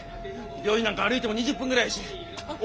病院なんか歩いても２０分ぐらいやしお